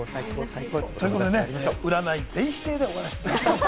占い、全否定でございます。